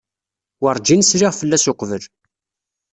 Werǧin sliɣ fell-as uqbel.